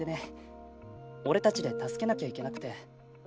俺たちで助けなきゃいけなくて。